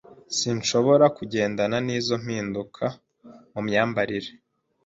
Sinshobora kugendana nizo mpinduka mumyambarire.